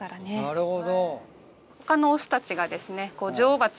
なるほど。